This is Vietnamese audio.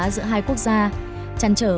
giữa hai quốc gia chăn trở